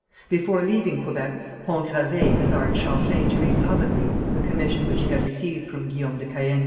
Before leaving Quebec Pont Gravé desired Champlain to read publicly the commission which he had received from Guillaume de Caën.